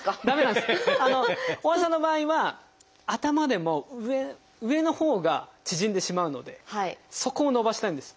大和田さんの場合は頭でも上のほうが縮んでしまうのでそこを伸ばしたいんです。